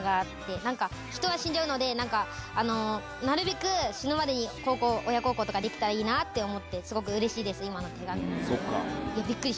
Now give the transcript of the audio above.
なんか、人は死んじゃうので、なんか、なるべく死ぬまでに、孝行、親孝行とかできたらいいなと思って、すごくうれしいですね、そっか。